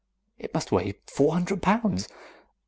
It must weigh four hundred pounds."